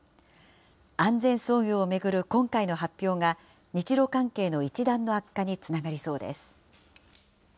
安全操業を巡る今回の発表が、日ロ関係の一段の悪化につながりそうです。